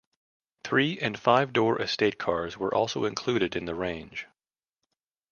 Three- and five-door estate cars were also included in the range.